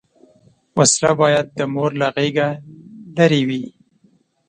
وسله باید د مور له غېږه لرې وي